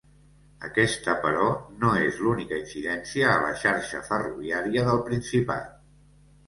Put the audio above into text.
Aquesta, però, no és l’única incidència a la xarxa ferroviària del Principat.